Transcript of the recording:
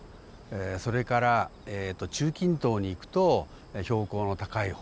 それから中近東にいくと標高の高い方。